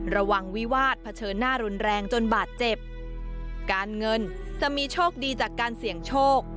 วิวาสเผชิญหน้ารุนแรงจนบาดเจ็บการเงินจะมีโชคดีจากการเสี่ยงโชค